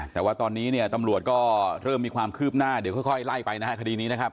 แต่ว่าตอนนี้เนี่ยตำรวจก็เริ่มมีความคืบหน้าเดี๋ยวค่อยไล่ไปนะฮะคดีนี้นะครับ